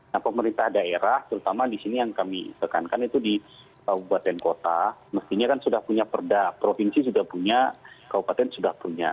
nah pemerintah daerah terutama di sini yang kami sekankan di kabupaten kota mestinya sudah punya perda provinsi juga punya kabupaten juga punya